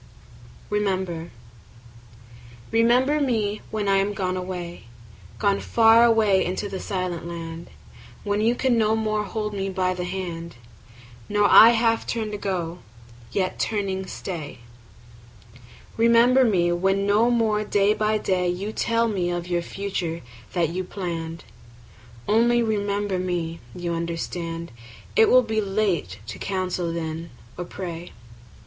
Remember REMEMBER me when I am gone away, Gone far away into the silent land; When you can no more hold me by the hand, Nor I half turn to go, yet turning stay. Remember me when no more day by day 5 You tell me of our future that you plann'd: Only remember me; you understand It will be late to counsel then or pray.